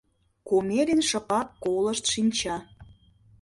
Комелин шыпак колышт шинча.